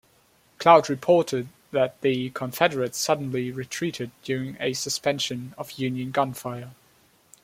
Cloud reported that the Confederates suddenly retreated during a suspension of Union gunfire.